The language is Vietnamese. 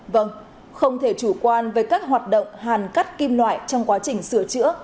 vâng không thể chủ quan với các hoạt động hàn cắt kim loại trong quá trình sửa chữa